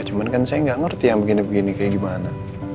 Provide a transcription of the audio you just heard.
cuman kan saya nggak ngerti yang begini begini kayak gimana